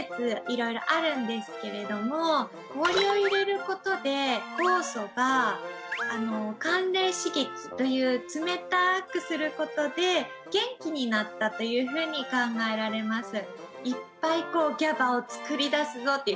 色々あるんですけれども氷を入れる事で酵素が寒冷刺激という冷たくする事で元気になったというふうに考えられます。